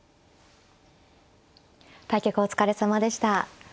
対局お疲れさまでした。